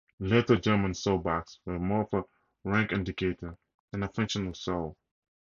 Later German sawbacks were more of a rank indicator than a functional saw.